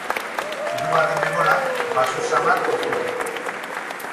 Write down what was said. Hirugarren bemola baxu samar jo zuen